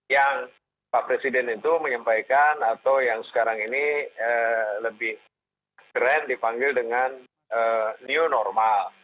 yang pak presiden itu menyampaikan atau yang sekarang ini lebih keren dipanggil dengan new normal